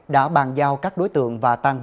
đã bàn giao các đối tượng và tăng cấp